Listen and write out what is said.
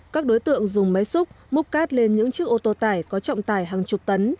các đối tượng dùng máy xúc múc cát lên những chiếc ô tô tải có trọng tải hàng chục tấn